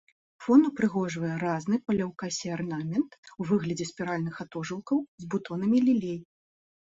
Фон упрыгожвае разны па ляўкасе арнамент у выглядзе спіральных атожылкаў з бутонамі лілей.